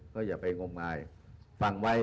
ก็อย่าไปงมงายฟังไว้